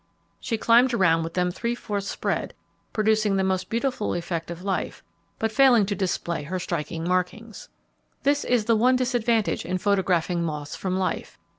She climbed around with them three fourths spread, producing the most beautiful effect of life, but failing to display her striking markings. This is the one disadvantage in photographing moths from life.